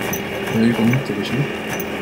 Wer übernimmt die Regie?